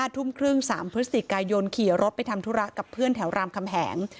ทุ่มครึ่ง๓พฤศจิกายนขี่รถไปทำธุระกับเพื่อนแถวรามคำแหง